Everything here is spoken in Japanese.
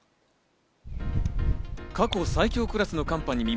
過去最強クラスの寒波に見舞